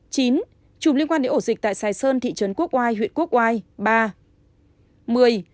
chín chủng liên quan để ổ dịch tại sài sơn thị trấn quốc oai huyện quốc oai ba